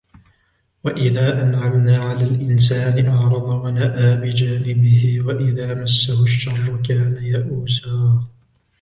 وَإِذَا أَنْعَمْنَا عَلَى الْإِنْسَانِ أَعْرَضَ وَنَأَى بِجَانِبِهِ وَإِذَا مَسَّهُ الشَّرُّ كَانَ يَئُوسًا